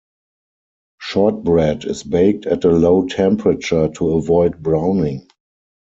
Shortbread is baked at a low temperature to avoid browning.